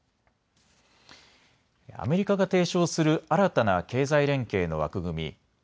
アメリカが提唱する新たな経済連携の枠組み